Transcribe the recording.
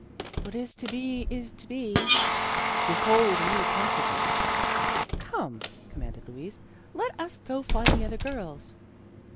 " What is to be, is to be." " Behold me comforted !"" Come," commanded Louise, " let us go to find the other girls."